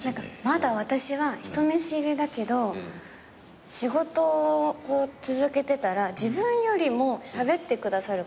まだ私は人見知りだけど仕事を続けてたら自分よりもしゃべってくださる方が。